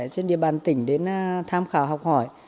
trên địa bàn tỉnh đến tham khảo học hỏi